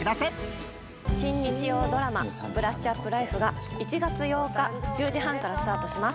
新日曜ドラマ、ブラッシュアップライフが、１月８日１０時半からスタートします。